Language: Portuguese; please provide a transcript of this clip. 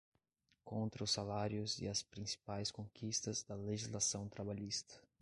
contra os salários e as principais conquistas da legislação trabalhista